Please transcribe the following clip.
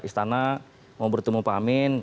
istana mau bertemu pak amin